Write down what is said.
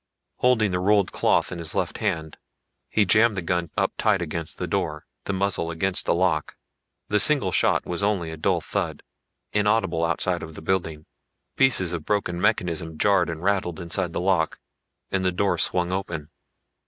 Holding the rolled cloth in his left hand, he jammed the gun up tight against the door, the muzzle against the lock. The single shot was only a dull thud, inaudible outside of the building. Pieces of broken mechanism jarred and rattled inside the lock and the door swung open.